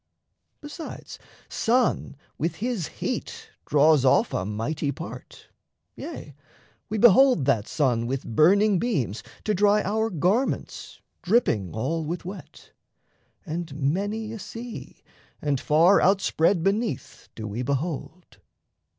Besides, Sun with his heat draws off a mighty part: Yea, we behold that sun with burning beams To dry our garments dripping all with wet; And many a sea, and far out spread beneath, Do we behold.